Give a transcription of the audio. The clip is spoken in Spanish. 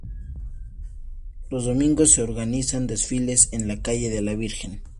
Los Domingos se organizan desfiles en la Calle de la Virgen.